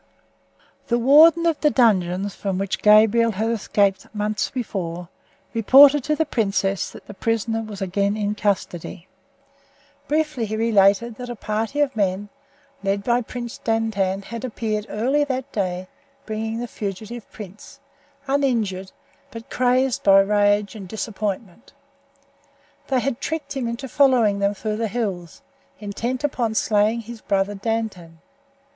The warden of the dungeons from which Gabriel had escaped months before reported to the princess that the prisoner was again in custody. Briefly he related that a party of men led by Prince Dantan had appeared early that day bringing the fugitive prince, uninjured, but crazed by rage and disappointment. They had tricked him into following them through the hills, intent upon slaying his brother Dantan.